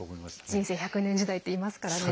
人生１００年時代って言いますからね。